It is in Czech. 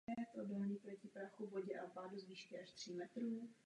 Popíráním skutečnosti jen podněcujeme nenávist a pohrdání.